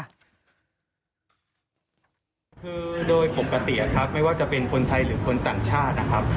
คือโดยปกติครับไม่ว่าจะเป็นคนไทยหรือคนต่างชาตินะครับ